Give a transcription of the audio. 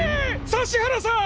指原さん！